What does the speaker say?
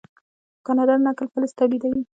کاناډا د نکل فلز تولیدوي.